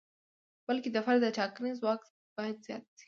بلکې د فرد د ټاکنې ځواک باید زیات شي.